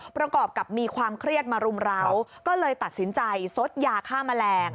ประกอบกับมีความเครียดมารุมร้าวก็เลยตัดสินใจซดยาฆ่าแมลง